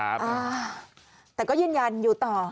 อ่าแต่ก็ยืนยันอยู่ต่อ